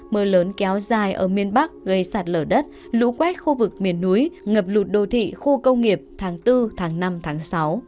mưa lớn kéo dài ở miền bắc gây sạt lở đất lũ quét khu vực miền núi ngập lụt đô thị khu công nghiệp tháng bốn tháng năm tháng sáu